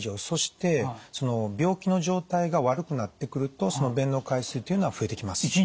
そして病気の状態が悪くなってくるとその便の回数っていうのは増えてきます。